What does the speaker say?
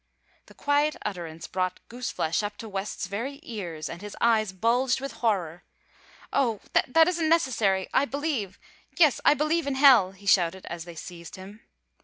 The quiet utterance brought goose flesh up to West's very ears, and his eyes bulged with horror. "Oh, that isn't necessary! I believe yes, I believe in hell!" he shouted, as they seized him.